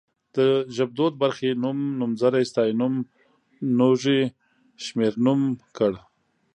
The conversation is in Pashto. د ژبدود برخې نوم، نومځری ستيانوم ، نوږی شمېرنوم کړ